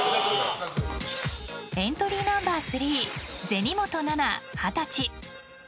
エントリーナンバー３銭本七菜、二十歳。